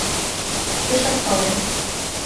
— Пешак палем.